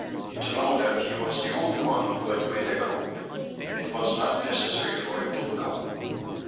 To know that he was the only one who had made a coup, it was not necessary for him to look up.